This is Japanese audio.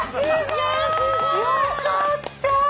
すごい！よかった。